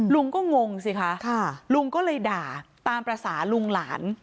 ลุงก็งงสิคะลุงก็เลยด่าตามภาษาลุงหลาน